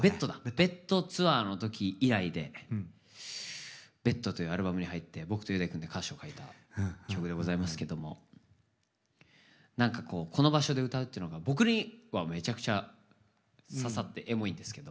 「ＢＥＴ」ツアーの時以来で「ＢＥＴ」というアルバムに入って僕と雄大くんで歌詞を書いた曲でございますけども何かこうこの場所で歌うっていうのが僕にはめちゃくちゃ刺さってエモいんですけど。